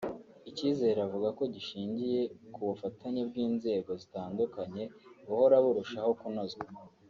icyizere avuga ko gishingiye ku bufatanye bw’inzego zitandukanye buhora burushaho kunozwa